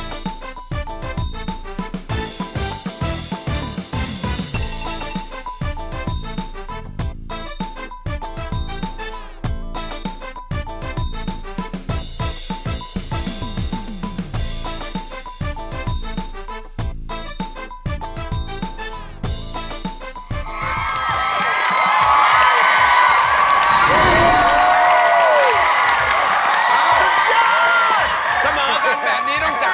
กติกาของเรามีว่า